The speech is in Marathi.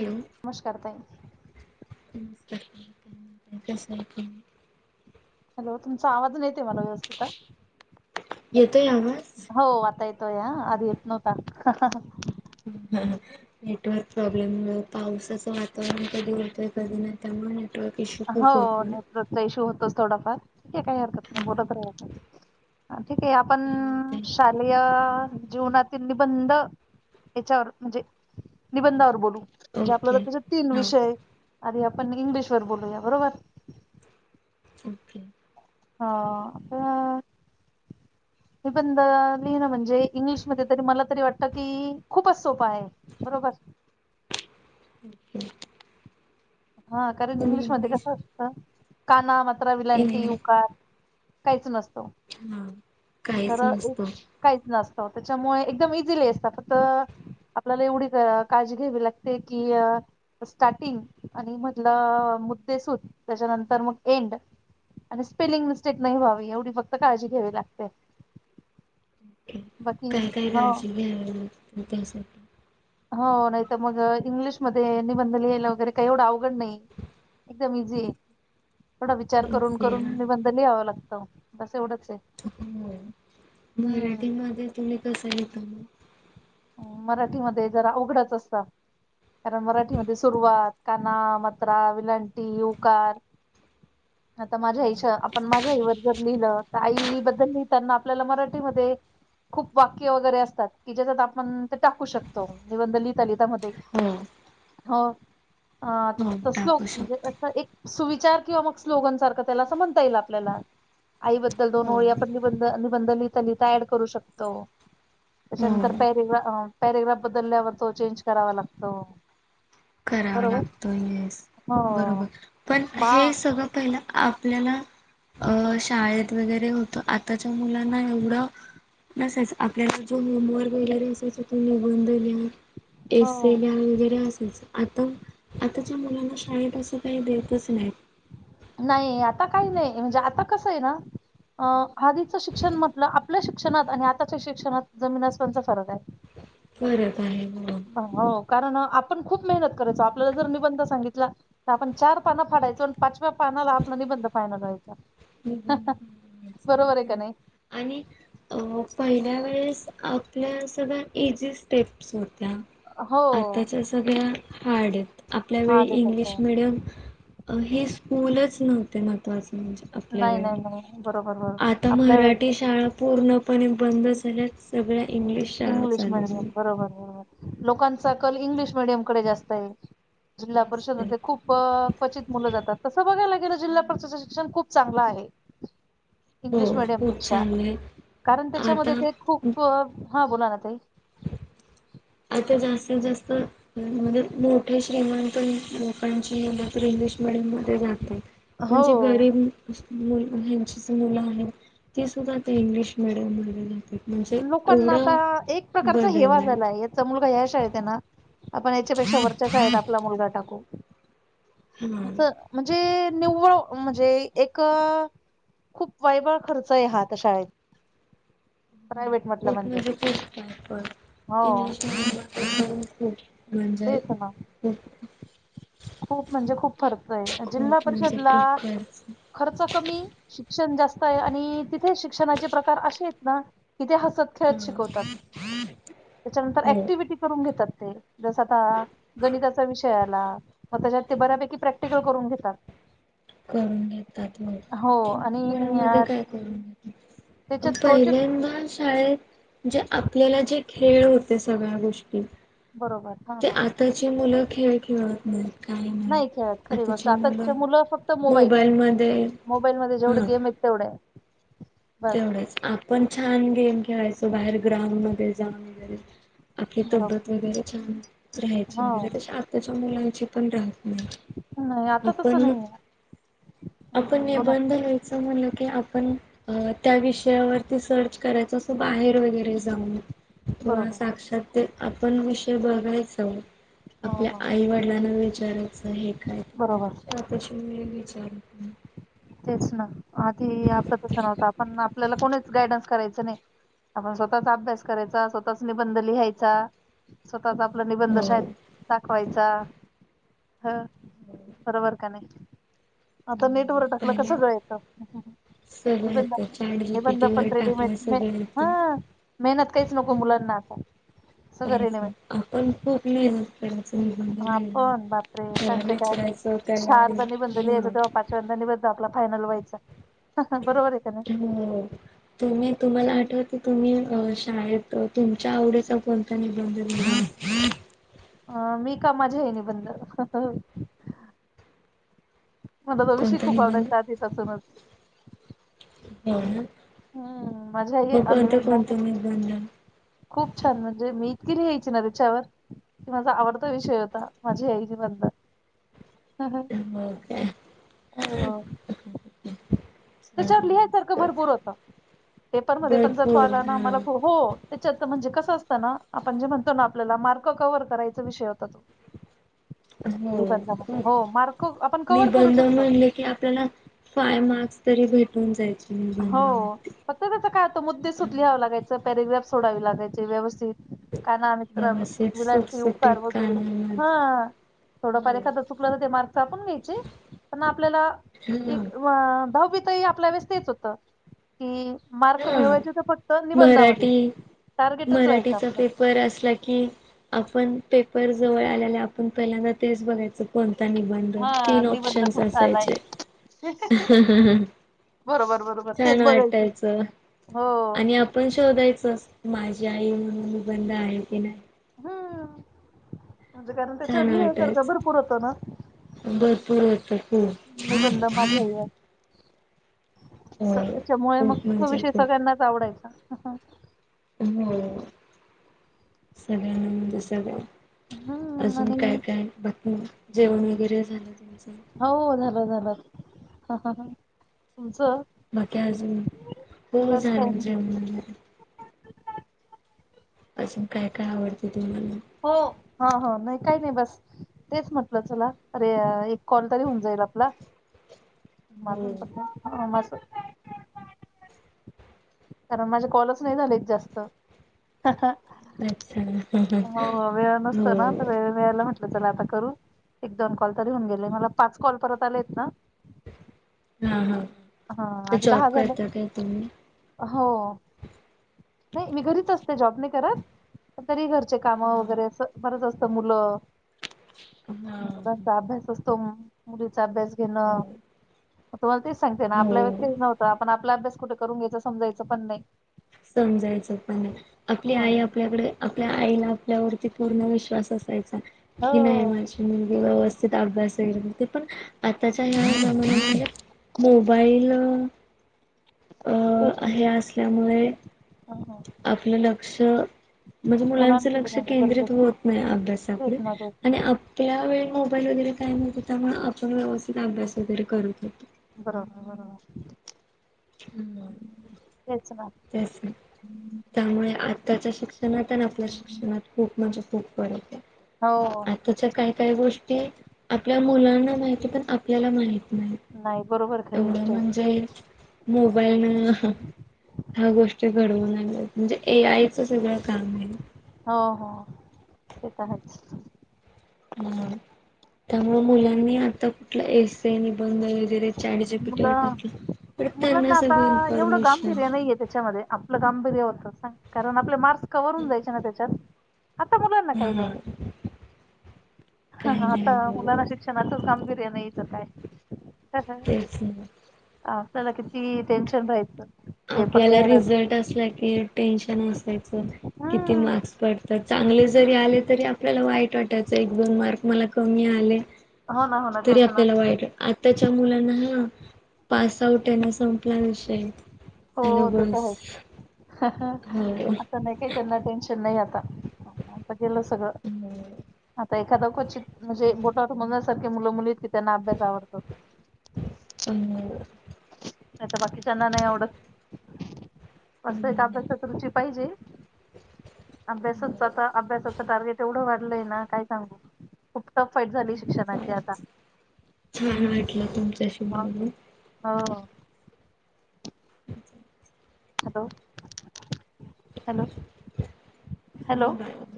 हॅलो मुश करताई. [unintelligible] हॅलो तुमचा आवाज नाय येत आहे मला व्यवस्थित. येतोय आवाज? हो आता येतो या आधी येत नव्हता. ह ह! नेटवर्क प्रॉब्लेममुळं पावसाचं वातावरण कधी होतंय, कधी नाही त्यामुळे नेटवर्क इश्यू हो खूप होतो ना नेटवर्कचा इशू होतोच थोडाफार, ठीक आहे काही हरकत नाही हा बोलत राहु आपण. ठीक आहे. आपण काय म्हणते शालेय जीवनातील निबंध याच्यावर म्हणजे निबंधावर बोलू. म्हणजे आपल्याला ओके कसं तीन हा विषय आहेत. आधी आपण इंग्लिश वर बोलू. बरोबर. ओके. हा हु निबंध लिहिण म्हणजे इंग्लिशमध्ये तरी मला तरी वाटतं की खूपच सोपं आहे. बरोबर? ह [inaudible] अ हा कारण इंग्लिश मध्ये कसं असतं काना, मात्रा, विलांटी इंग्लिश उकार काहीच नसतं. हा. तर काहीच नसतो काहीच नसत. त्याच्यामुळे एकदम इझिली असतं फक्त आपल्याला एवढी काळजी घ्यावी लागते की स्टार्टिंग आणि मधला मुद्दे सुत त्याच्यानंतर मग एंड. आणि स्पेलिंग मिस्टेक नाही व्हावी एवढी फक्त काळजी घ्यावी लागते. ओके बाकी काय, काय हो काळजी घ्यावी त्यासाठी? हो नाही तर मग इंग्लिशमध्ये निबंध लिहायला वगैरे काही एवढं अवघड नाही. एकदम इझी. थोडा विचार करून असे हा करून निबंध लिहावा लागतो बस एवढंच. आहे हो हम्म मराठीमध्ये तुम्ही कसं लहीता मग? मराठीमध्ये जरा अवघडचं असतं. कारण मराठीमध्ये सुरुवात, काना, मात्रा, विलांटी उकार आता माझ्या मग आईच्या आपण माझ्या आई वर जर लिहिलं आई बद्दल लहीताना आपल्याला मराठीमध्ये खूप वाक्य वगैरे असतात कि ज्याच्यात आपन पण ते टाकू शकतो निबंध लिहिता लिहिता मध्ये हो हो. अ हो तसलं टाकू म्हणजे शकतो असं एक सुवि विचार किंवा मग स्लोगन सारखं त्याला म्हणता येईल आपल्याला. आईबद्दल दोन हो ओळी आपण निबंध निबंध लिहिता लिहिता ऍड करू शकतो. त्याच्यानंतर हो पॅरेग्रा पॅरेग्राफ बदलल्यावर तो चेंज करावा लागतो. करावा बरोबर लागतो. येस हो बरोबर पण बा हे. सगळं पहिलं आ आपल्याला अं शाळेत वगैरे होतं आताच्या मुलांना एवढं नसायचं आपल्याला जो होमवर्क वैगरे असायचा तो निबंनध लिहून हो एसे लिहा वगैरे असायचं. आता आताच्या मुलांना शाळेत अस काही देतच नाहीत. नाही आता काही नाही म्हणजे आता कसं आहे ना? अं आदीचं शिक्षण म्हटलं आपल्या शिक्षणात आणि आताच्या शिक्षणात जमीन आसमांचा फरक हाय. बरं हो कारण आपण खूप मेहनत करायचो आपल्याला जर निबंध सांगितला तर आपण चार पानं फाडायचो आणि पाचव्या पानाला आपण निबंध फायनल व्हायचा निबंध फायनल बरोबर आहे व्हायचा का नाही आणि अ अ पहिल्या वेळेस आपल्या सगळ्या इझी स्टेप्स होत्या हो आताच्या सगळ्या हार्ड आहेत आपल्या हा वेळी देतात इंग्लिश हो. मेडियम अ हे स्कूलच नव्हते महत्वाचं म्हणजे आपल्या नाही वेळी नाही नाही बरोबर आता बरोबर आपल्या वेळेस मराठी शाळा पूर्णपणे बंद झाल्यात सगळ्या इंग्लिश शाळा इंग्लिश चालू मिडियम झाल्या. बरोबर बरोबर. लोकांचा कल इंग्लिश मिडियम कडे जास्त आहे जिल्हा असते परिषदमध्ये खूप क्वचित मुलं जात तसं बघायला गेलं जिल्हा परिषद शिक्षण खूप चांगला आहे हो इंग्लिश खूप मिडियमपेक्षा चांगले कारण त्याच्यामध्ये आता ते खूप हा बोला ना ताई आता जास्तीत जास्त म्हणजे मोठे [inaudible] श्रीमंत लोकांची मुल नोकरी इंग्लिश मडियम मध्ये जातात पण जे हो. गरीब मुल हेचींच मुलं आहेत ती सुद्धा आता इंग्लिश मिडियम मध्ये लोकांना आता एक एक प्रकारचा हेवा बदललाय झालाय याचा मुलगा ह्या शाळेत आहे ना आपण याच्यापेक्षा वरच्या शाळेत आपला मुलगा टाकू. हा अस म्हणजे निव्वळ म्हणजे- एक खूप वायवळ खर्च आहे हा शाळेत [inaudible] म्हटलं म्हणजे हो [unintelligible] म्हणजे तेच ना खूप खूप म्हणजे खूप फरक आहे जिल्हा खूप म्हणजे परिषदला खूप खर्च खर्च कमी शिक्षण जास्त आहे आणि तिथे शिक्षणाचे प्रकार असे आहेत ना इथे हसत खेळत हा शिकवतात त्याच्यानंतर हो ऍक्टिव्हटी करून घेतात ते जस आता गणिताचा विषय आ आपला त्याच्यात ते बऱ्यापैकी प्रॅक्टिकल करून घेतात. करून घेतात हो म्हणजे आणि इंग्लीश मिडीयम मध्ये काय करून घेतात? त्याच्यात प्रोजेक्ट पहिल्यांदा शाळेत म्हणजे आपल्याला जे खेळ होते सगळ्या गोष्टी बरोबर हा ते हा आताची मुलं खेळ खेळत नाहीत. काही नाही खेळत खरी गोष्ट आताची मुलं आताच्या [inaudible] फक्त मोबाईल मोबाईलमध्ये मोबाईल मध्ये हं जेवढे गेम आहेत तेवढे बस तेवढंच आपण छान गेम खेळायचो बाहेर ग्राउंड मध्ये जाऊन वगैरे आपली बरोबर तब्बेत वगैरे छान राहायची हो वगैरे त आताच्या मुलांची पण राह नाही आता तसं आपण नाही आपण आहे बोला निबंध लिहायचं म्हणल की आपण अ त्या विषयावरती सर्च करायच असं बाहेर वगैरे जाऊन किंवा बरोबर साक्षात ते आपण विषय बघायचा ओ हो आपल्या हो आई वडिलांना विचारायचं हे काय ते बरोबर काय [unintelligible] [unintelligible] तेच ना आधी आपलं तस नव्हत पण आपल्याला कोणीच गायडन्स करायचं नाही आपण स्वतःच अभ्यास करायचा स्वतःच निबंध लिहायचा स्वतः आपला निबंध हो शाळेत दाखवायचा. हं बरोबर का नाही? आता नेटवर बरोबर टाकलं कस पहिल्या जायचं? [inaudible] सगळं निबंध येतं चॅट -निबंध जीपीटी पण वर रेडीमेड टाकलं ना- सगळं हा येतं. मेहनत काहीच नको मुलांना. [unintelligible] सगळं काहीच नाही आपण खूप मेहनत करायचो निबंध हा लिहायला. पण बापरे त्याला सांगते काय विचरायचं त्याला चारदा निबंध लिहायचो ह तेव्हा यपाचवंदानी ब आपला फायनल व्हायचा बरोबर आहे का नाही हो तुम्ही तुम्हाला आठवत तुम्ही अ शाळेत तुमच्या आवडीचा कोणता निबंध [unintelligible] अ मी का माझे हे निबंध मला तो विषय कोणता खूप निबंध आवडायचा आधी पासूनच हो ना माझी आई मग कोणते निबंध कोणते निबंध खूप छान म्हणजे मी इतकी लिहायची ना त्याच्यावर माझा आवडता विषय होता माझी आई निबंध हो का [unintelligible] छान त्याच्यावर लिहायसारखं मस्त. भरपूर होत पेपरमध्ये पण जर त भरपूर आला ना हा मला हो त्याच्यात म्हणजे क कस असत ना आपण जे म्हणतो ना आपल्याला मार्क कव्हर करायचा विषय होता तो हो निबंधामध्ये खूप हो मार्क आपण [unintelligible] कव्हर करू निबंध शकतो म्हणले की आपल्याला फाय मार्क्स तरी भेटून जायचे. हो निबंधामध्ये. फक्त त्याच काय होत मुद्दे सुटले हव लागायचं पॅरेग्राफ सोडावी लागायचे व्यवस्थित काना मित्र व्यवस्थित वेलांटी सुटसुटीत उकार वैगेरे कानावर हं थोडं फार एखाद चुकलं तर ते मार्क्स कापून घ्यायचे पण आपल्याला हा एक व दहावीतही आपल्या वेळेस तेच होत की मार्क हा मिळवायचे होते फक्त निबंधामध्ये मराठी टार्गेटच राहायचं मराठीचा आपलं. पेपर असला की, आपण पेपर जवळ आल्याआल्या आपण पहिल्यांदा तेच बघायचं पण त्या निबंध वर हा तीन निबंध ऑप्शन् कोणता आलाय. असायचेहा हाहाहा बरोबर बरोबर छान तेच बघायचे वाटायचं हो आणि आपण शोधायचचं माझी आई म्हणून निबंध आहे की नाही हम्म. म्हणजे कारण त्याच्यावर छान लिहायसारखं वाटायचं भरपूर होत ना भरपूर येत खूप निबंध माझ्या ह्याच्यात असं हो त्याच्यामुळे मग खूप तो म्हणजे विषय खूप सगळ्यांनाच आवडायचा ह अं हो सगळ्यांना म्हणजे सगळ्या हम्म अजून आणि काय काय बात म जेवण वगैरे झालं तुमचं हो झालं झालं हं हं तुम बाकी अजून हो बस काही झालं नाही जेवण वगैरे, अजून काय काय आवडते? तुम्हाला हो हा हा नाही काही नाही बस तेच म्हटलं चला अरे एक कॉल तरी हून जाईल आपला हो [inaudible] कारण माझे कॉलच नाही झालेत जास्त हंहं अच्छा हो वेळ नसतो ना हो वेळ वेळेला म्हटलं चला आता करू एक दोन कॉल तरी होऊन गेले मला पाच कॉल परत आलेत ना हा हा हा ते आधी जॉब दहा झाले करता काय तुम्ही? हो नाही मी घरीच असते जॉब नाही करत तरी घर चे काम हा वगैरे अस बरच असतं मुलं हा मुलांचा [unintelligible] अभ्यास हो घेणं तुम्हाला तेच सांगते ना आपल्यावेळी हो तेच नव्हतं आपण आपला अभ्यास कुठ करून घ्यायचं समजायचं पण नाही. समजायचं पण. आपली आई अं, आपल्याकडे आपल्या आईला त्यावरती पूर्ण विश्वास असायचा. की नाही हो माझी मुलगी व्यवस्थित अभ्यास [unintelligible] ते पण आताच्या ह्या जमान्यामध्ये मोबाईल अ तेच ना आहे असल्यामुळे- अं, आपलं लक्ष- म्हणजे मुलांच मुलांकडे लक्ष देणं केंद्रित गरजेचं होत नाही तेच अभ्यासाकडे. ना तेच ना आणि आपल्या वेळी मोबाईल वगैरे काय नव्हतं. त्यामुळ आपण व्यवस्थित अभ्यास वगैरे करत होतो. बरोबर बरोबर. तेच ना तेच ना त्यामुळे आताच्या शिक्ष नातन आपल्या शिक्षणात खूप म्हणजे खूप फरक आहे. हो आताच्या काय काय गोष् ते आपल्या मुलांना माहिती पण आपल्याला माहित माहित. नाही बरोबर खरी एवढं गोष्ट आहे म्हणजे, मोबाईलनं अहं- गोष्टी घडवून आणल्यात. म्हणजे ए आयच सगळं काम आहे. हो हो ते तर आहेच. ह. त्यामुळे मुलांनी आता कुठला एसे, निबंध वगैरे, चाडीच्या पिठेवर मुलं टाकलं. मुलांना आता एवढं गांभीर्य नाहीय त्याच्यामध्ये आपलं गांभीर्य हो सांग. कारण आपले मार्क्स कवर होऊन जायचे ना ते च्यात? आता मुलांना काही हा नाही, काही नाही आता हो मुलांना शिक्षणातून कामगिरी- ते. नाही तर काय तेच [unintelligible] आपल्याला किती टेनशन राहायच. आपल्याला रिझल्ट असला की टेन्शन असायचं किती हम्म मार्क्स पडतात- चांगले जरी आले तरी आपल्याला वाईट वाटायचं एक दोन मार्क मला कमी आले. हो ना हो ना तरी तेच ना आपल्याला वाईट. आताच्या मुलांना हा- पास आउट आहेना, संपला विषय. म बस. हो. असं नाही काही त्यांना टेन्शन नाही आता- गेलं सगळं. आता एखादां क्वचित म्हणजे बोटावर मोजण्यासारखे मुलं मुली- त्यांना अभ्यास आवडतो. पण हो, नाही तर अस एक अभ्यासात रुची पाहिजे. अभ्यासच आता. अभ्यासाचं टार्गेट एवढं वाढलंय ना काय सांगू? खूप- टफ फाईट झाली शिक्षणाची चालेल. आता. छान वाटलं हो [unintelligible] हॅलो. हॅलो. हॅलो. बोलून.